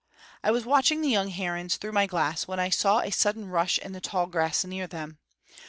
I was watching the young herons through my glass when I saw a sudden rush in the tall grass near them.